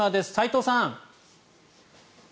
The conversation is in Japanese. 齋藤さん。